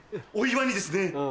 お祝いにですね